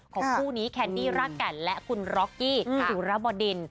ของคู่นี้แคนดี้รักกันและคุณร็อกกี้สุรบดิน